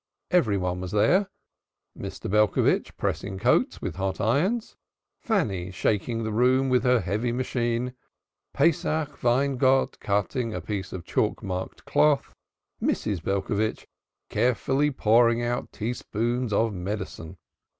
Everybody was there Mr. Belcovitch pressing coats with hot irons; Fanny shaking the room with her heavy machine; Pesach Weingott cutting a piece of chalk marked cloth; Mrs. Belcovitch carefully pouring out tablespoonfuls of medicine.